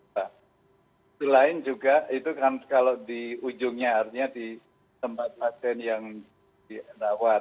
nah selain juga itu kan kalau di ujungnya artinya di tempat pasien yang dirawat